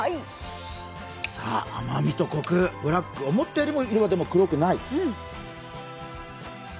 さあ、甘みとコク、ブラック、思ったよりも色は黒くない。